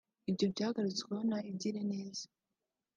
ibyo byagarutsweho na Igirineza